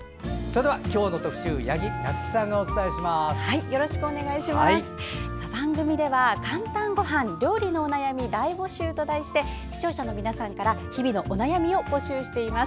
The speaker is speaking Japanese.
今日の特集番組では「かんたんごはん料理のお悩み大募集！」と題して視聴者の皆さんから日々のお悩みを募集しています。